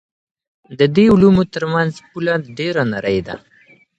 د دې علومو ترمنځ پوله ډېره نرۍ ده.